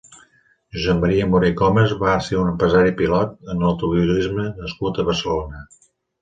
Josep Maria Moré i Comas va ser un empresari i pilot en l'automovilisme nascut a Barcelona.